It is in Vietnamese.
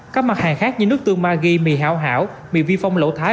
các mặt hàng khác như nước tương ma ghi mì hảo hảo mì vi phong lỗ thái